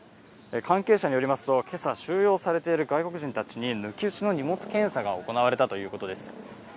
関係者によりますと今朝、収容されている外国人たちに抜き打ちの荷物検査が行われたということです。